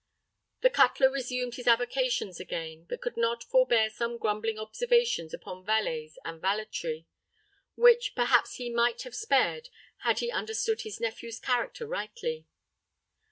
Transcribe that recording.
The cutler resumed his avocations again; but could not forbear some grumbling observations upon valets and valetry, which perhaps he might have spared, had he understood his nephew's character rightly.